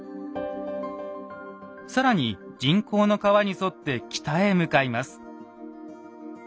更に人工の川に沿って北へ向かいます。